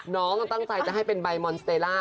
น้องตั้งใจจะให้เป็นใบมอนสเตรล่า